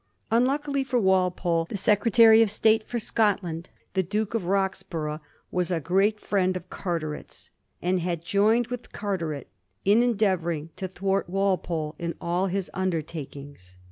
Unluckily for Walpole, the Secretary of State for Scotland, the Duke of Rox burgh, was a great friend of Carteret's, and had joined with Carteret in endeavouring to thwart Walpole in all his undertakings.